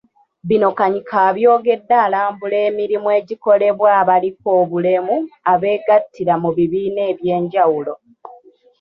Bino Kanyike abyogedde alambula emirimu egikolebwa abaliko obulemu abeegattira mu bibiina eby'enjawulo.